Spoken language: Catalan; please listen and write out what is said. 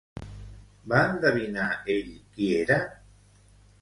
Va endevinar ell qui era?